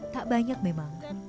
tak banyak memang